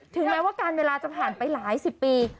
แม้ว่าการเวลาจะผ่านไปหลายสิบปี